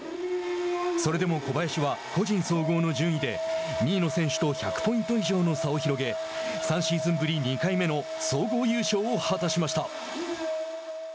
それでも小林は個人総合の順位で２位の選手と１００ポイント以上の差を広げ３シーズンぶり２回目の総合優勝を果たしました。